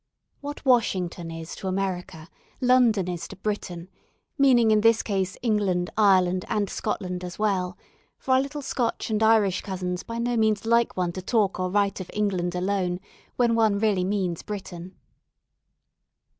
What Washington is to America, London is to Britain; meaning in this case England, Ireland, and Scotland as well, for our little Scotch and Irish cousins by no means like one to talk or write of England alone when one really means Britain.